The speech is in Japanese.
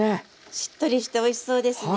しっとりしておいしそうですね。